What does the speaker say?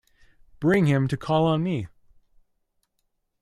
Bring him to call on me.